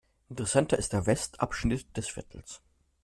Interessanter ist der Westabschnitt des Viertels.